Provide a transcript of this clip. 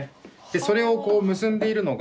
それを結んでいるのが。